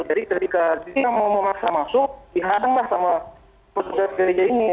jadi ketika dia mau memaksa masuk dihadanglah sama petugas gereja ini